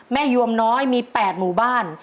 ยวมน้อยมี๘หมู่บ้าน